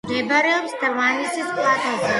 მდებარეობს დმანისის პლატოზე.